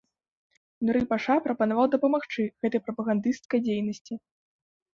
Нуры-паша прапанаваў дапамагчы гэтай прапагандысцкай дзейнасці.